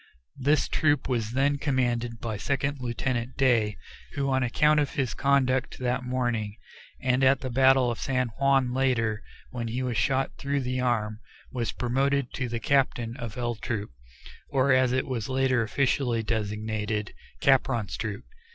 This troop was then commanded by Second Lieutenant Day, who on account of his conduct that morning and at the battle of San Juan later, when he was shot through the arm, was promoted to be captain of L Troop, or, as it was later officially designated, Capron's troop.